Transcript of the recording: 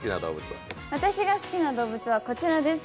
私が好きな動物はこちらです。